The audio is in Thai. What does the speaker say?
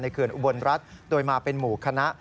เขื่อนอุบลรัฐโดยมาเป็นหมู่คณะ